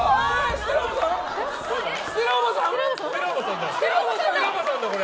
ステラおばさんだよ、これ。